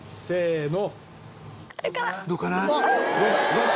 どうだ？